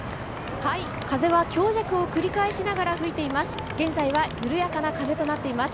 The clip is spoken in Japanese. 風は強弱を繰り返しながら吹いています。